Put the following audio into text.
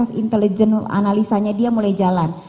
proses intelligent analisanya dia mulai jalan